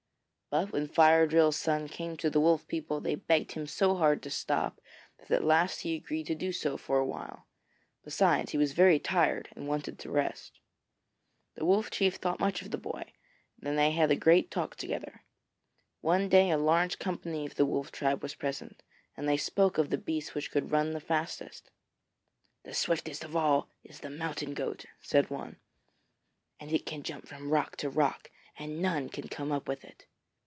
But when Fire drill's son came to the Wolf people they begged him so hard to stop that at last he agreed to do so for a while; besides he was very tired, and wanted to rest. The Wolf Chief thought much of the boy, and they had great talk together. One day a large company of the Wolf tribe was present, and they spoke of the beasts which could run the fastest. 'The swiftest of all is the mountain goat,' said one; 'and it can jump from rock to rock, and none can come up with it.